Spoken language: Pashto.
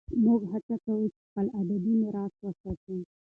موږ هڅه کوو چې خپل ادبي میراث وساتو.